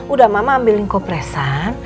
udah mama ambil linkopresan